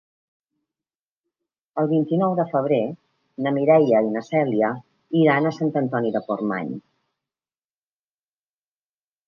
El vint-i-nou de febrer na Mireia i na Cèlia iran a Sant Antoni de Portmany.